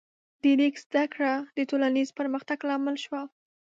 د لیک زده کړه د ټولنیز پرمختګ لامل شوه.